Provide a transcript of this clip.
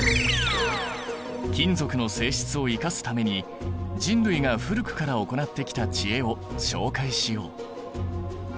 金属の性質を生かすために人類が古くから行ってきた知恵を紹介しよう。